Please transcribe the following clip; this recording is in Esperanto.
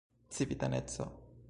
civitaneco